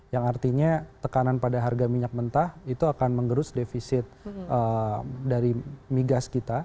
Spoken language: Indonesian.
yang artinya tekanan pada harga minyak mentah itu akan mengerus defisit dari migas kita